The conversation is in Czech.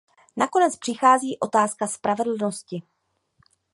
Nakonec přichází otázka spravedlnosti.